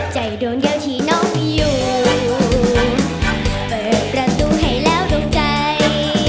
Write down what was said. ใจดวงเดียวที่น้องมีอยู่เปิดประตูให้แล้วดวงใจ